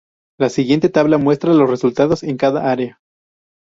La siguiente tabla muestra los resultados en cada área.